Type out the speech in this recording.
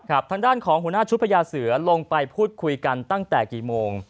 ครับทางด้านของหุณชุภัยาเสือลงไปพูดคุยกันตั้งแต่กี่โมง